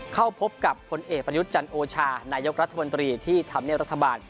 เข้าพบกับผลเอกประยุทธ์จันโอชานายกรัฐมนตรีที่ทำเนียบรัฐบาล